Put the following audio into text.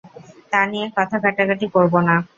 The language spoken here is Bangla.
তা নিয়ে কথা কাটাকাটি করব না।